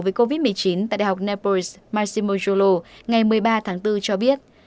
về covid một mươi chín tại đại học nepal s marci mojolo ngày một mươi ba tháng bốn cho biết